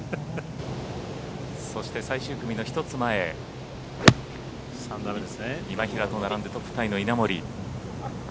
そして最終組の１つ前今平と並んでトップタイの稲森。